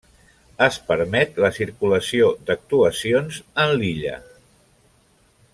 Es permet la circulació d'actuacions en l'illa.